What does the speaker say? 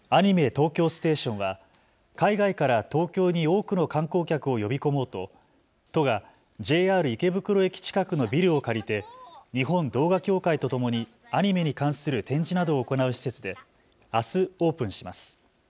東京ステーションは海外から東京に多くの観光客を呼び込もうと都がＪＲ池袋駅近くのビルを借りて日本動画協会とともにアニメに関する展示などを行う施設であすオープンします。